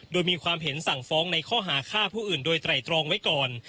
โดยมีความเห็นสั่งฟ้องในข้อหาฆ่าผู้อื่นโดยไตรตรองไว้ก่อน